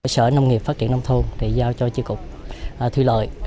sở nông nghiệp phát triển nông thôn đã giao cho chư cục thuy lợi